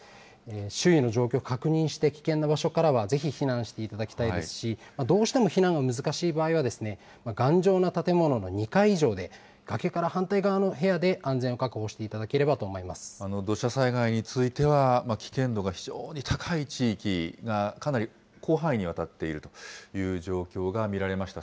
周囲の状況を確認して、危険な場所からはぜひ避難していただきたいですし、どうしても避難の難しい場合は、頑丈な建物の２階以上で崖から反対側の部屋で安全を確保していた土砂災害については、危険度が非常に高い地域が、かなり広範囲にわたっているという状況が見られました。